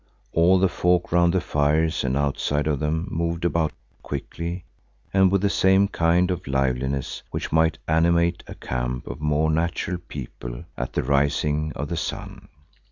All the folk round the fires and outside of them moved about quickly and with the same kind of liveliness which might animate a camp of more natural people at the rising of the sun.